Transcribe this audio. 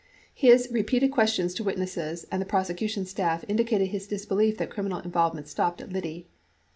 His repeated questions to witnesses and the prosecution staff indicated his disbelief that criminal involve ment stopped at Liddy.